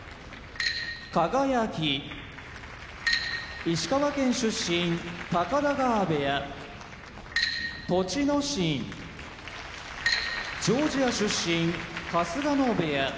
輝石川県出身高田川部屋栃ノ心ジョージア出身春日野部屋